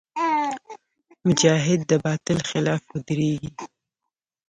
مجاهد د باطل خلاف ودریږي.